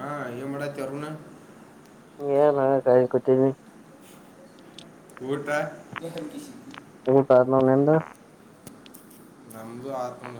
ಹಾ ಏ ಮಾಡಾತಿ ಅರುಣ ಗೆ ಕಾಯ ಕೊತಿದ್ದವಿ ಕಊಟ ವು ಕಾರನ ನಿ ಅಂದ ನ್ದು ಆರ್ಕೂಲ್ಲ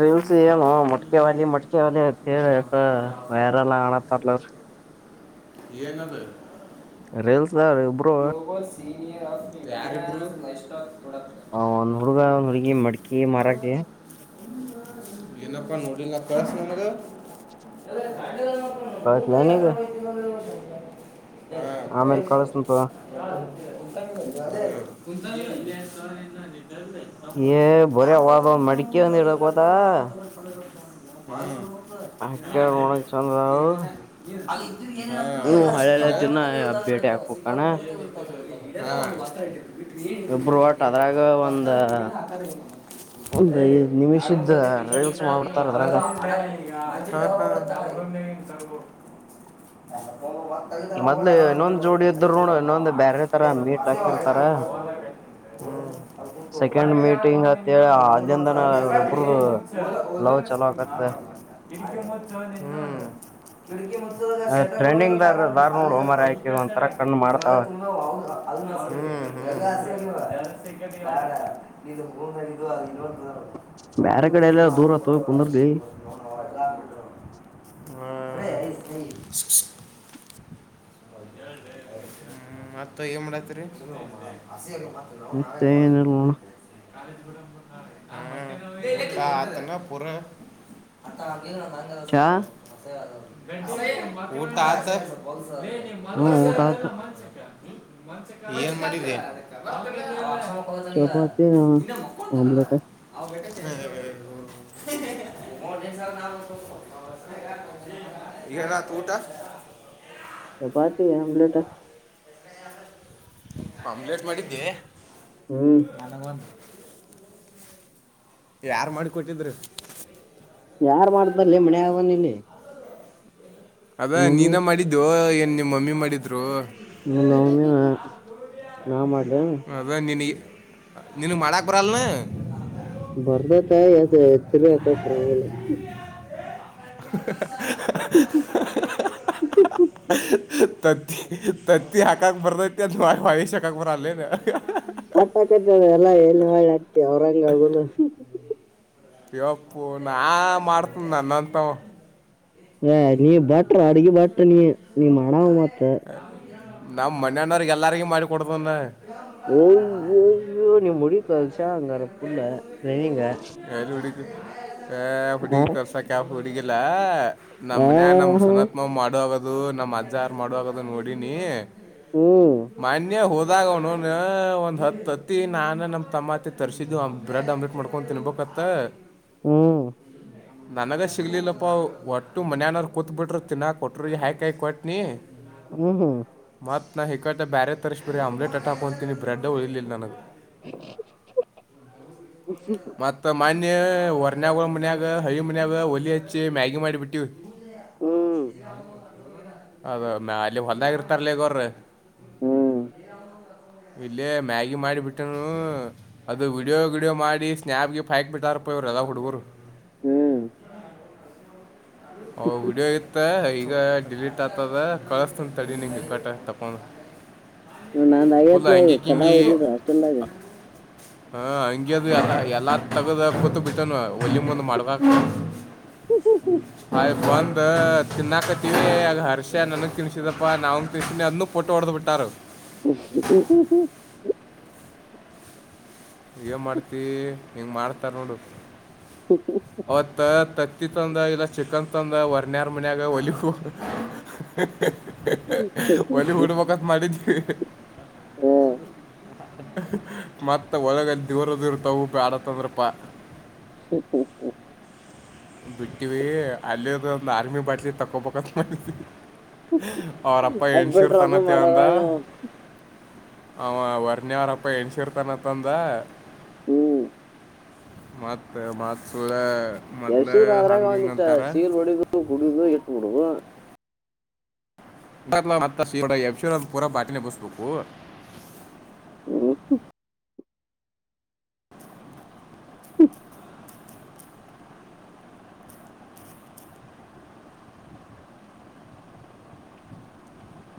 ರೀಲ್ಸ್ ಏನು ಮೊಟಕೆವಾಲಿ ಮೊಟಕೆವಳಿ ಅಂತೇಳ ವೈರಲ್ ಆಣತ್ತಲ ಏನದು ರೇಲ್ ಬ ಸೀನಿಯರ್ ಆ ಹ್ ಹುಡುಗ ಹುಡ್ಗಿ ಮಡ್ಕಿ ಮಾರಕ ಇನಪ್ಪ ಡಿ ನ ಕಳಸ ನ ಮರ ಹಟ್ಲನಗ ಹಾ ಸರಿ ಸರಿ ಕಳಸಂತ ಕು ಹ ಏ ಬರೇ ಯಾವ ಅವಾದ ಒಂದ್ ಮಡಿಕೆ ನ ಒಂದ್ ತಂದತ ಇಡಕೋತ ನವು ಹ [unintelligible] ಹ ಮಣಕ್ ನೋಡಕ್ ಚಂದಾವ [unintelligible] ಭೇಟಿ ಹಾಕ್ಬೇಕಣ [unintelligible] ಇಬ್ರು ಯಾರ ಒಟ್ ಅದ್ರಾಗ ಒಂದ [unintelligible] ಒಂದ್ ಐದ್ ನಿಮಿಷದ [unintelligible] ರೀಲ್ಸ್ ಮಾಡ್ಬಿಡ್ತಾರ ಅದ್ರಾಗ [unintelligible] [unintelligible] ಮೊದ್ಲೇ ಇನ್ನೊಂದ್ [unintelligible] [unintelligible] ಜೋಡದ್ದು ಹ್ಮ ಸೆಕೆಂಡ್ ಹೊರಗ [unintelligible] ಮೀಟಿಂಗ್ ಅತ್ತ ಹೇಳಿ ಅಲ್ಲಿಂದನ ಅವ್ರಿಬ್ರದು ಲವ್ ಚಲೋ ಆಗತ್ತ ಟ್ರೆಂಡಿಂಗ್ ದಾರ ದಾರ ನೋಡು ಮಾರಾಯ ಆಕಿ ಒಂತರ [unintelligible] [unintelligible] [unintelligible] [unintelligible] ಕಣ್ಣು ಅವೆಲ್ಲ ಮಾಡ್ತಾವ ತುಂಬಾ ಹೌುದಾ ಅದ [unintelligible] ಹ ಇದು ಹದು ಅದು ಇನ್ನೋಡ್ [unintelligible] ಬ್ಯಾರೆ ಕಡೆ ಎಲ್ಲ ದೂರ ತೋಗ್ ಕುಂದರ್ಲಿ ಡ ಹ್ಮ [unintelligible] [unintelligible] ಹ [unintelligible] [unintelligible] ಹ್ಮ್ ಮತ್ತ ಏನ್ ಮಾಡತ್ರಿ [unintelligible] ಮತ್ತೆ ಎನ್ನಿಲಾ ನೋಡು ಹ ಅ [unintelligible] ನ್ನ ಪರ [unintelligible] ಚಾ [unintelligible] ಊಟ ಆತ ಮ ಹ್ಮ್ ಊಟ [unintelligible] ಆಯ್ತು ಏನ್ ಮಾಡಿದಿ ಚಪಾತಿ [unintelligible] ಇನ್ನ ಮಕ್ಕಳ ತಲ್ಲ ಆಮ್ಲೆಟ್ ಅವಗ [unintelligible] [unintelligible] ಹ [unintelligible] [unintelligible] ಈಗತ್ತು ಊಟ ಚಪಾತಿ ಅಂಬಲೇಟ್ ಆಮ್ಲೆಟ್ ಮಾಡಿದ್ದೆ ಹ್ಮ್ ಯಾರ್ ಮಾಡಿಕೊಟ್ಟಿದರು ಯಾರು ಮಾಡ್ದಲ್ಲಿ ಮನೆಯಾಗ ಬಂದೀನಿ ಅದ ನೀನ ಮಾಡಿದ್ದು ಏನ್ ನಿಮ್ಮ ಮಮ್ಮಿ ಮಾಡಿದ್ರು [unintelligible] ನಾ ಮಾಡ ಅದೇ ನೀನ್ ನೀನಿಗ್ ಮಾಡಾಕರಲ್ನು ಬರ್ತೇತೆ ಆ ಆದ್ರೆ ತಿರ್ವಕಾಕ್ ಬರಗಿಲ್ಲ [unintelligible] [unintelligible] ತ ತತಿ ಹಕಕ್ ಬರತ [unintelligible] [unintelligible] ಆಟಾಕತ ಎಲ್ಲ ಎಲ್ಲಿ ಹಾಳೆ ಹಕ್ತಿ ಔರಂಗುಲು ಇವಪ್ಪು ನಾ ಮಾಡ್ತನ ನನ್ನಂತ ಹ ನೀ ಬಾಟ್ರ ಅಡುಗೆ ಬಟ್ರ ನೀ ನೀ ಮಡನವ ನಾವ್ ಮಣ್ಣಣ್ಣವ್ರಿಗೆ ಎಲ್ಲರಿಗ ಮಾಡಿ ಕೊಡತಂದ ಓಯ್ಯೋಯ್ಯೋ ನೀಮ್ ಉಡ್ಗಿ ಕಸ್ಯಾಲ ಅಂಗಾರ ಪಲ್ಲ ಬೆಂಗ ಆ ಉಡ್ಗಿ ಕಲ್ಸಕ ಯಾವ್ ಉಡ್ಗಿ ಇಲ್ಲ ನಮ್ಮ್ ಮನ್ ನಮ್ ಹ್ಮ್ ಸನತ್ ಮಾಮ ಮಾಡುವಾಗದು ನಮ್ಮ ಅಜ್ಜಾರ ಮಾಡುವಾಗದು ನೋಡಿನಿ ಹ್ಮ್ ಮಾನ್ಯ ಹೋದಾಗಣ ಒಂದ್ ಹತ್ ಹತ್ತಿ ನಾನ ನಮ ತಮ್ಮತ್ತ ತರಿಸಿದ್ದು ಬ್ರೆಡ್ ಆಮ್ಲೆಟ್ ಮಾಡ್ಕೊಂಡು ತಿನ್ಬೇಕತ್ತ ಹ್ಮ್ ನನಗ ಸಿಗ್ಲಿಲ್ಲಪ್ಪಾ ಒಟ್ಟು ಮನ್ಯನವರು ಕೂತ್ ಬಿಟ್ರರು ತಿನ್ನಲು ಕೊಟ್ರ ಹಾಕ ಹಾಕಿ ಕೊಟ್ನಿ ಹ್ಮ್ ಹ್ಮ್ ಮತ್ತು ನಾು ಹೆಕಾದೆ ಬ್ಯಾರೆ ತರಿಸ್ಬೇರೆ ಆಮ್ಲೆಟ್ ಹಕೊತೀನಿ ಬ್ರೆಡ್ ಹೆ ಉಳಿಲಿಲ್ಲ ನನಗೆ [unintelligible] ಮತ್ತ ಮನ್ ಒರನ್ಗಾಕಳ ಮಿನಾಗ ಹಳಿ ಮಣಾಗ ಒಲ ಅಚ್ಚ ಮ್ಯಗಿ ಮಾಡಿ ಪಿಟ್ಟು ಅದ ಮ ಅಲ್ಲಿ ಹೊಂದಾಗಿ ಇರ್ತಾರಲ ಈಗ ಅವ್ರ. ಹ್ಮ್ ಇಲ್ಲೇ ಮ್ಯಾಗಿ ಮಾಡಿಬಿಟ್ಟ. ಅದು ವೀಡಿಯೋ ವಿಡಿಯೋ ಮಾಡಿ ಸ್ನ್ಯಾಪ್ಗೆ ಫೈಕ್ ಬಿಟ್ಟಾರ ಪವ್ರು ಎಲ್ಲ ಹುಡುಗರು. ಹ್ಮ್ ಹ ವೀಡಿಯೊ ಇತ್ತ ಈಗ. ಡಿಲೀಟ್ ಆಗ್ತದ ಕಳಸ್ತನ ತಡಿ ನಿಗೆ ಕಟ್ಟೆ ತಕೊಂಡ. ಹ ನಾನ್ ಆಗತ್ಲ ಈಗ ಕದಾ ಓದಿದ್ದು ಹಾಸ್ಟೆಲ್ದಾಗ. ಹಾ ಹಂಗಗೆದು ಎಲ್ಲ ಎಲ್ಲ ತಗದ ಗೊತ ಬಿಟ್ಟನು ಹೊಲ್ಲಿಮ ಮುಂದ್ ಮಾಡ್ಬೇಕಕ್. ಹ ಹ ಹ ಬಂದ್ ತಿನ್ನಾಕತೀವಿ ಆಗ ಹರ್ಷ ನನಗ್ ತಿನ್ಸಿದಪ್ಪ ನಾ ತಿನ್ಸಸೀ ಅದನಗ್ಫೋಟೋ ಟೋ ಹೊಡದ್ ಬಿಟ್ಟಿ. ಹತ್ತರು ಹ್ಮ ಹ್ಮ್ ಹ್ಮ್ ಹ್ಮ್ ಏ ಮಾಡ್ತಿ ಹೆಂಗ್ ಮಾಡ್ತಾರ ನೋಡು ಹೊತ್ತ್. ತಂದ ಇಲ್ಲ ಚಿಕನ್ ತಂದ ವರ್ಯಾರ್ ಮನ್ಯಾಗ ಹೊಲಿ. ಒಲಿ ಊಡ್ಬೇಕಕ್ಕತ್ ಮಾಡಿದ್ದ. ಹ್ಮ್ ಮತ್ತ ಒಳಗ ದೂರ ದೂರ ತಗ ಆಡತ್ಂದ್ರಪ್ಪಾ. ಹ್ಮ್ ಹ್ಮ್ ಬಿಟ್ಟಿವ ಅಲ್ಲಿದ ಒಂದು ಆರ್ಮಿ ಬಾಟ್ಲಿ ತಕೋಬಂತ ಮಾಡಿದವಿ. ಅವರಪ್ಪ ಅದ್ ಹೆನ್ಸಿರು ಬಿಟ್ರ ಅದು ತಾನತೇ ಅಂದ. ಮಾಡಾರ ಅವ ವರ್ನಿ ಅವಾರಪ್ಪ ಎಣಸಿರ್ತಾನತ್ಂದ. ಹ್ಮ್ ಮತ್ [unintelligible] ಎಸದ್ರ ಅದ್ರಾಗ ಒಂದಟ್ಟ ಸೀಗ್ಲ್ ಹೊಡದುು ಕುಡು ಇಟ್ಟಬಿಡುದು. ಮತ್ತ ಇ ಯಶೂರ ಪೂರಾ ಬಾಟಿನ ಬಸ್ಬೇಕು. ಹ್ಮ್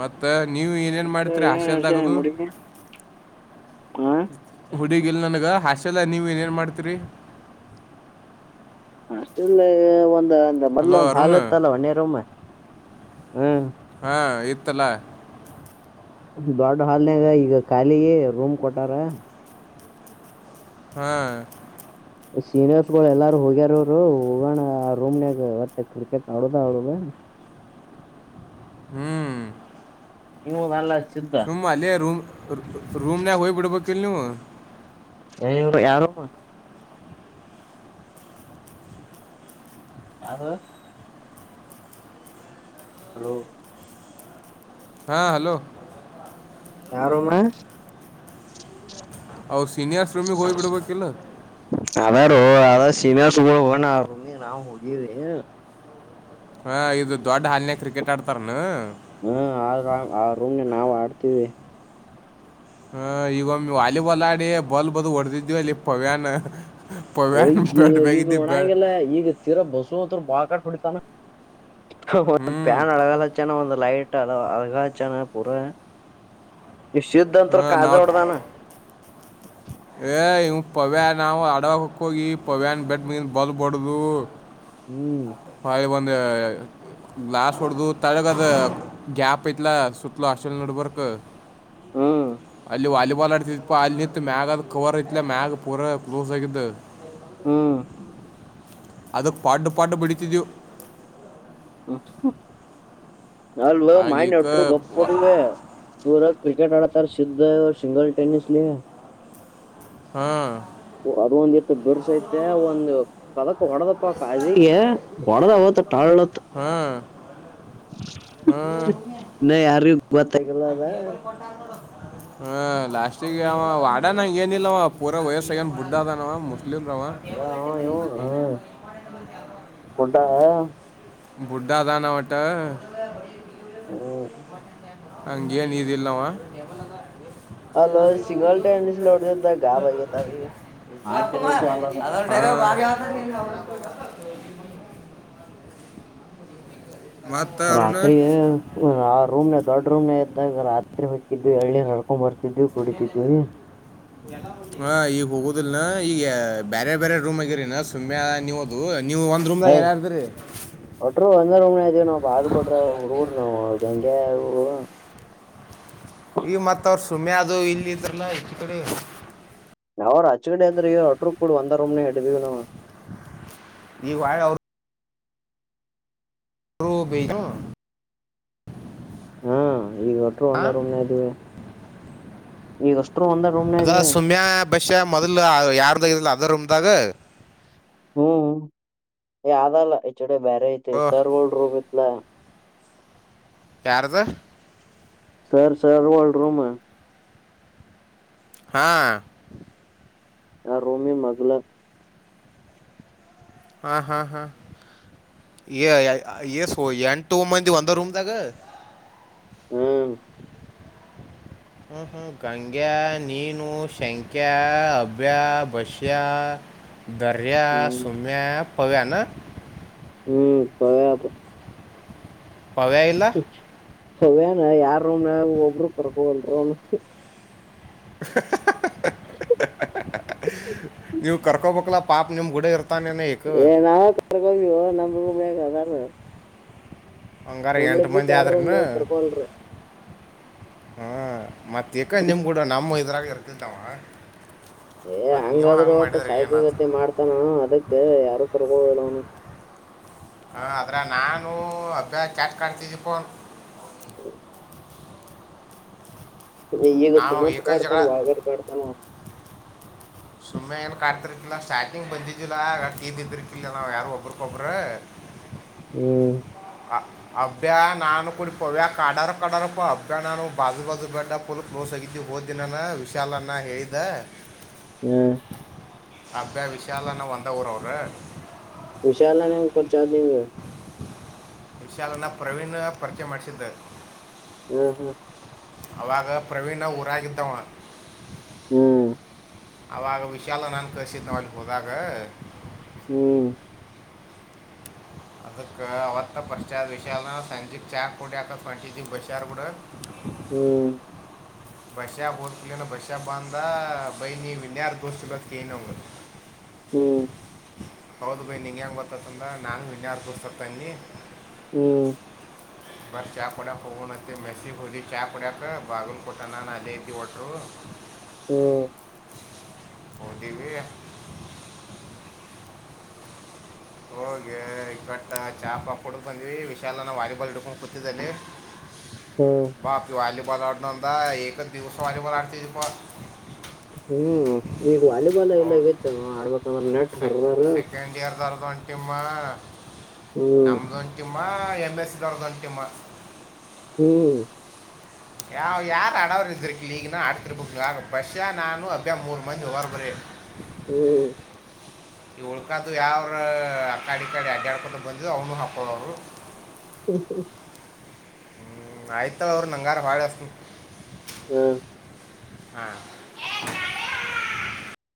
ಮತ್ತ ನೀವ ಏನೇನ್ ಮತ್ತ ಮಾಡತರಿ ಏನ್ ಆಶೆಲ್ದಾಗದು. ಹ ಹುಡುಗಿಲ್ಲ ನನಗೆ ಹಾಸೆಲ್ಲ ನೀವು ಏನೇನು ಮಾಡ್ತೀರಿ. ಅಷ್ಟಲ್ಲ ಒಂದ ಮೊದ್ಲ ಹಲೋ ಒಂದ್ ಅರುಣ್ ಹಾಲ್ತ್ ಅಲ್ಲ ಒಣೇರೊಮ್ಮ ಹ್ಮ. ಹಾ ಇತ್ತಲ್ಲಾ. ದೊಡ್ಡ ಹಾಲ್ನಾಗ ಈಗ ಖಾಲಿಗ ರೂಮ್ ಕೊಟಾರ. ಹ್ಮ್ ಸೀನಿಯರ್ಸ್ ಗಳು ಎಲ್ಲಾರು ಹೋಗ್ಯಾರರು ಹೋಗೋಣ ಆ ರೂಮ್ನಾಗ ಒಟ್ಟೆ ಕ್ರಿಕೆಟ್ ಆಡುದ ಆಡುದ. ಹ್ಮ್ ಇಗ ನಲ್ಲಾಚು. ಸುಮ್ ಅಲ್ಲಿ ರೂಮ್ ರೂಮ್ನಯಾಗ ಹೋಗಯ್ ಬಿಡ್ಬೇಕಲ್ ನೀವು. ಯಾರುಮ್ಮ. ಯಾರು. ಹಲೋ. ಹಾ ಹಲೋ. ಯಾರ ರೂಮ. ಅವ್ರ ಸೀನಿಯರ್ ಶ್ರಮಕ್ ಹೋಗ್ಬಿಡ್ಬೇಕಿಲ್ಲ ಅದಾರ ಅ ಸೀಮೆ ಸುಗ ಹೋಗ ರೂಮ್ ನಾವು ಹುಗೀವಿ. ಹಾ ಇದು ದೊಡ್ಡ ಹಾಲ್ನ್ಯಾಗ ಕ್ರಿಕೆಟ್ ಆಡ್ತಾರನು. ಹ್ಮ್ ಆ ರ್ ಆ ರೂಮ್ ನ ನಾವು ಆಡ್ತೀವಿ. ಹ ಈಗೊಮ್ಮ ವಾಲಿಬಾಲ್ ಆಡಿ ಬಾಲ್ ಬದು ಹೊಡೆದಿದ್ವಿ ಅಲ್ಲಿ ಪವ್ಯನ್. ಅಯ ಈಗ ನೋಣಾಗಲ್ಲ ಈಗ ತೀರಾ ಬಸವ ಅತ್ರ ಬಾಳ್ ಕಾಟ್ ಹೊಡಿತಾನ. ಒಂದ್ ಹ್ಞೂ ಪ್ಯಾನ್ ಅಳಗಲ್ಲ ಚೆನ ಒಂದ್ ಲೈಟ್. ಅಳಗಾಯಚಾನ ಪುರ. ನೀ ಶುದ್ಧ ಅಂತ ಹಾಂ ಕಾಜ ನಾವು ಒಡದಾನ. ಪವ್ಯ ನಾವು ಅಡಕ್ಕ ಹೋಗಿ ಪವ್ಯಾನ ಬೆಟ್ಟ ಮಿಂದ ಬಲ್ ಬಡ್ದು ಹ್ಮ್ ಅ ಲಾಸ್ಟ್ ಹೊಡದು ತಾಜಾಗದ ಗ್ಯಾಪ್ ಐತಲ ಸಟ್ಲ ಹಾಸ್ಟೆಲ್ ನೆಟವರ್ಕ್ ಹ್ಮ ಅಲ್ಲಿ ವಾಲಿಬಾಲ್ ಆಡತಿದಪ್ಪ ಅಲ್ಲಿ ನಿಂತತ್ ಮ್ಯಾಗ್ ಆದ ಕವರ್ ಇತ್ತಲ ಮ್ಯಾಗ್ ಪೂರ ಕ್ಲೋಸ್ ಆಗಿದ್ದ್ ಹ್ಮ ಅದಕ್ ಪಾಡು ಪಾಡು ಬಿಡಿತಿದವು [inaudible] ಅಲ್ವ ಮಾನ್ ಆಗೀಕ ಎಟ್ಟರು ಗಪ್ ಹೋದವೆ ಸೂರ ಕ್ರಿಕೆಟ್ ಅಡತಾರ ಸಿದ್ಧ ಸಿಂಗಲ್ ೆನಿಸ ಲ ಹಾ ಬಿರ್ಸೈತೆ ಒಂದು ಕದಕ್ ಹೊಡದಪ ಕಾಜಿಗೆ ಹೊಡದ ಟಾಳತ್ ಹ್ಮ್ ಹ್ಮ್ ಬತ್ತಲ್ಲ ಟಬಲ್ ಪಟ್ಟಾರ ಹ ಲಾಸ್ಟಿಿಗೆ ಅವ ವಡ ನಂಗ ಏನಿಲ್ಲವ ಪೂರ ವಯಸ್ಸಗನ್ ಬುಡ್ ಅದನವ ಇಲ್ಲಂದರಾಮ ಡಾ ಹ ಬುಡ್ಡಾದಾನ ಒಟ್ಟ ಹ್ಮ ಹಂಗೇನ್ ಇದಲ್ ನವ ಅಲ ಸಿಂಗಲ್ ಟೆನಿಸ್ ನೋಡದ ಗಾಬ್ಗತ ಅ ಭ ಮತ್ತೆ ರಾತ್ರಿ ಅರುಣ ರೂಮ್ ನ ದೊಡ್ಡ ರೂಮ್ ನ ಇದ್ದ ರಾತ್ರಿ ರಾತ್ರೆ ಹಕ್ಕಿದ್ದು ಎಳ್ಳಿ ಹಡ್ಕೊ್ ಬರ್ತಿದ್ದವು ಕುಡಿತಿದ್ದ್ವಿ ಹಾ ಈಗ ಹೋಗುದಲ್ನಾ ಈಗ ಬೇರೆ ಬೇರೆ ರೂಮ್ ಆಗಿರಿನಾ ಸುಮ್ಮನೆ ನೀವದು ಹಯ್ ಒಟ್ರು ಒಂದ ರಮ್ ಇದೇವ ನಾವು ಪಾಲ್ ಕೊಟ್ರಡ ನಾವವು ಯವು ಈಗ ಮತ್ತ ಅವ್ರ ಸುಮ್ಮನೆ ಅದು ಇಲ್ಲಿ ಇದಲ್ಲ ಎಷ್ಟ ಕಡೆ ಅವ್ರ ಅಚ್ ಕಡೆ ಅ್ರೆ ಹೊಟ್ರು ಕೂ ಒಂದ ರೂಮ್ ನ ಹ ಹೇಳಿದೀ ನಾವು ಈ ವಾಯ ಅವ ರೂಬ ಹಾ ಈಗ ಹೊಟ್ಟರು ಹಾ ಒಂದ ರೂಮ್ ನ ಇದ್ದೀವಿ ಈಗಷ್ಟ ಅದ ಸುಮ್ಯಾ ಬಷ್ಯಾ ಮೊದ್ಲು ಯಾರದಾಗಲ್ಲ ಅದ ರೂಮ್ದಾಗ ಹ್ಮ್ ಯದಲ್ಲ ಡೆ ಬ್ಯರೆ ಇತೆೆ ಓ ಸರ್ ಡ್ ರೂಮ ಇಲ ದ ಸರ್ ಸರ್ ಒಲ್ ರೂಮ ಹಾ ಆ ರೂಮಿ ಮೊದುಲ ಹಾ ಹಾ ಹಾ ಸ ಎಂಟು ಮಂದಿ ಒಂದ ರೂಮ್ದಾಗ ಹ್ಮ ಹ್ಮ್ ಹ್ಮ್ ಗಂಗ್ಯಾ ನೀನು ಶಂಖ್ಯಾ ಅಬ್ಯಾ ಬಸ್ಯಾ ದರ್ಯಾ ಹ್ಮ್ ಸುಮ್ಯಾ ಪವ್ಯಾ ಹ್ಮ್ ಸತ ಪವ ಇಲ್ಲ ಹವ್ಯನ ಯಾರೂ ಒಬ್ರು ಕರ್ಕೊಲ್ರ ನೀವು ಕರ್ಕೋಬೇಕಕ್ಲ್ಲ ಪಾಪ ನಿಮ್ ಗುಡ ಇರ್ತ ಏ ನಾವ ಕರ್ಕೊಂಡೀವು ನಮೂಮ ಅದಾರ ಹಂಗಾರ ನಮ್ಮನ ಎಂಟು ಬಿಟ್ಟ ಮಂದಿ ಯಾರ ಅದೇನೂ ರೂಮ್ನ್ಯಾಗ ಕರ್ಕೊಲ್ರಿ ಹಾ ಮತ್ತ ಈಕ್ಕ ನಿಮ್ಗೂಡ ನಮ್ಮ ಇದ್ರಾಗ ಇರ್ತಿದ್ದಾವ ಏ ಹಂಗಾದ್ರೂ ಒಟ್ಟು ಸಾಯಕಲ್ ಗತಿ ಮಾಡ್ತಾನ ಅದಕ್ ಯಾರು ಕುರಕಡ ಆದ್ರ ನಾನು ಅಭ್ಯಾಸ ಕ್ಯಾಟ್ ಕಡ್ತಿದ್ದಿ ಫೋನ್ ಹೂ ಈಗ ನಾವು ಸುಮತ್ ಏಕ ಕಾಡ್ತಾನ ಜಗಳ ಒಾಳ್ಗಡೆ ಕಾಡ್ತಾನ ಸುಮ್ಮನೆ ಏನು ಕಾಡ್ತಿರ್ತಿಿಲ್ಲ ಸ್ಟಾರ್ಟಿಂಗ್ ಬಂದಿದ್ದಿಲ್ಲ ಕೀ ಬಿದ್ದಿಕಿಲ್ಲ ನಾವು ಯಾರು ಒಬ್ಬ್ರಗೊಬ್ಬರು ಹೂ ಅಬ್ಬ್ಯ ನಾನು ಕುಡಿ ಪವ್ಯಾ ಕಾಡಾರ ಕಡಾರಪ್ಪ ಅಬ್ಬ್ಯ ನಾನು ಬಾಜು ಬಾಜು ಬಡ್ಡ ಪಲ ನೋ ಸಗತ ಹೋದನಾನ ವಿಶಾಲನ್ನ ಹೇಳ್ದ ಹ್ಮ್ ಅಬ ವಿಷಾಲನ ವಂದ ಊರ ಅವರು ವಿಶಾಲಾನ ಕೊರ್ಚ ಆದಧ್ಯಂಗ ಶಾಲನ್ನು ಪ್ರವೀಣ್ ಪರಿಚಯ ಮಾಡಿಸಿದ್ದ ಹೂ ಹೂ ಅವಾಗ ಪ್ರವೀಣ ಊರಾಗಿದ್ದವ ಹೂ ಅವಾಗ ವಿಶಾಲ ನನ್ು ಕಸಿದ ನ ಎಲ್ಲಿಗೆ ಹೋದಾಗ ಹೂ ಅದಕ ಅವತ್ತು ಪಾಶ್ಚರ್ ವಿಶಾಲಸಂಜಿಕ ಚಾ ಕುಡಿಯಾಕ ಹೊಟ್ಟಿದ್ವಿ ಬೈಸರ ಬಿಡು ಹೂ ಬಷ್ಯಾಾಬ್ ಓದಲ ಬಸ್ಯಾ ಬ ಅಂದ ಬೈ ನೀವ ಇನ್ಯಾರ ದೋಸ್ ಸಿಗೋತ್ ಕನಂಗ ಹ್ಮ್ ಹ್ಮ್ ಹೌದು ಭೈ ನಿಂಗೆ ಹೆಂಗೆ ಬರ್ತೈತಂದ್ರ ನಾನು ವಿಜಾರ ಕೂರ್ ಸರ್ತಾನಿ ಹೂ ಬಾರಿ ಚಾ ಕುಡಿಯಾಕ ಹೋಗ ನತ್ತೆ ಮೆಸ ಹೊಲಿ ಚಾ ಪುಡ್ಯಕ ಬಾಗ ಕೊತಾನಾನ ಅದಐತಿ ಒಟ ಹ ಹೂ ಹೊದಿವಿ ಹೋಗಿ ಬಟ್ ಚಾಪಾ ಹುಡುಕ ಬಂದ್ವಿ ವಿಶಾಲನ ವಾಲಿಬಾಲ್ ಹಿಡ್ಕೊಂಡು ಕೂತಿದ್ದಲ್ಲಿ ಹ್ಮ್ ಬಾಪಿ ವಾಲಬಲ್ ಆಡ್ನ ಅಂದ ದಿವಸ ವಬಲ್ ಆಡ್ತಪ್ಪ ಹೂ ಈಗ ವಾಲಿಬಾಲ್ ಎಲ್ಲಾಗತ್ತು ಆಡ್ಬೇಕಂದ್ರೆ ನೆಟ್ ೆ ಹರ್ದಾರ ಸೆಕೆಂಡ್ ಇಯರ್ ದರ್ದ ಒಂಟಮ್ಮ ಹ್ಮ್ ನಮ್ದ ಒಂಟಿಮ್ಮ ಎಮ್ ಎಸ್ ದರ್ದಂಟಮ್ಮ ಹೂ ಯಾವ ಯಾರ ಅಡಾವರು ಇದ್ದರು ಲ ಈಗನ ಅಡತ ಬಷಾ ನಾನು ಅಬ್ಿಯಾ ಮೂರು ಮಂದಿ ಹೋಗರು ಹೂ ಈ ಉಳ್ಕ್ದ ಯಾವ್ರ ಅಕ್ಕಾಡಿ ಕಾಡಿ ಅಡ್ಡಾಡ್ಕೊೊಂಡ ಬಂದಿದ್ದು ಅವನು ಹಾಕ್ಕಳವರು ರಹೂ ಕೇಳ್ತಾ ಇದೆ ಹೂ ಆಯ್ತಲ್ಲ ಅವ್ರರು ನಂಗಾರ ಹಾಳೆ ಅಸ ಹೂ ಹಾ